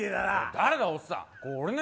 誰だ、おっさん。